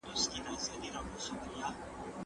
حکومتونه بايد د خلګو پر وړاندې ځواب ويونکي وي.